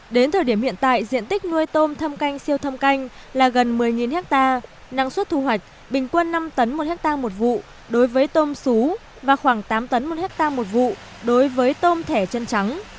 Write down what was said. đến thời điểm hiện tại diện tích nuôi tôm thâm canh siêu thâm canh là gần một mươi ha năng suất thu hoạch bình quân năm tấn một hectare một vụ đối với tôm xú và khoảng tám tấn một hectare một vụ đối với tôm thẻ chân trắng